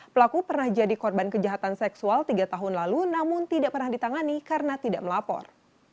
pelaku pernah jadi korban kejahatan seksual tiga tahun lalu namun tidak pernah ditangani karena tidak melapor